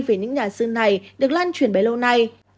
về những nhà sư này được lan truyền bấy lâu nay